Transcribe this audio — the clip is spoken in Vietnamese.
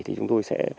thì chúng tôi sẽ